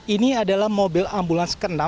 ini adalah mobil ambulans ke enam